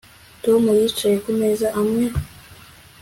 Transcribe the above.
Tom yicaye ku meza amwe